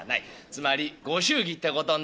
つまりご祝儀ってことになるな」。